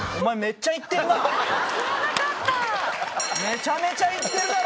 めちゃめちゃ行ってるだろ！